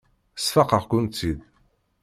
Sfaqeɣ-kent-id.